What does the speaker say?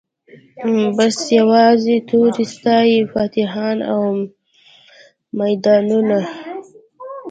بس یوازي توري ستايی فاتحان او میدانونه